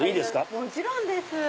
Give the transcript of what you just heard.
もちろんです。